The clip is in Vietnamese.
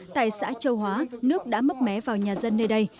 tại xã châu hóa nước đã mất mé vào nhà dân nơi đây